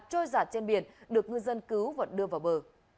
trôi giặt trên biển được ngư dân cứu và đưa vào bờ